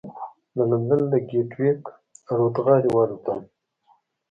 د لندن له ګېټوېک الوتغالي والوتم.